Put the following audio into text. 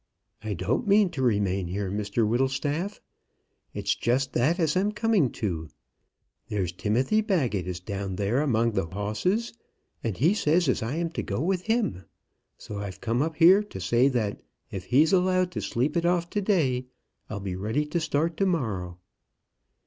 "I don't mean to remain here, Mr Whittlestaff. It's just that as I'm coming to. There's Timothy Baggett is down there among the hosses, and he says as I am to go with him. So I've come up here to say that if he's allowed to sleep it off to day, I'll be ready to start to morrow."